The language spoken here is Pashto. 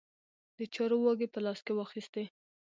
د چارو واګې په لاس کې واخیستې.